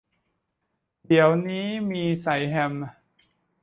เดี๋ยวนี้มีใส่แฮม